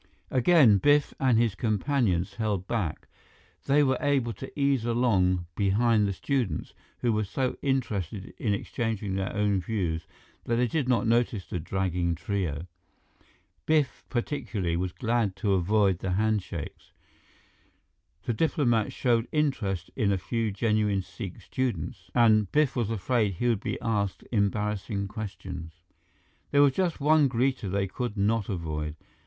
Again, Biff and his companions held back. They were able to ease along behind the students, who were so interested in exchanging their own views that they did not notice the dragging trio. Biff particularly, was glad to avoid the handshakes. The diplomats showed interest in a few genuine Sikh students, and Biff was afraid he would be asked embarrassing questions. There was just one greeter they could not avoid.